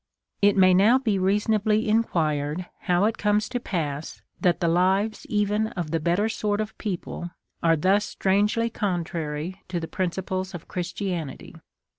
IT may now be reasonably inquired, how it comes to pass, that the lives even of the better sort of peo ple are thus strangely contrary to the principles of Christianity.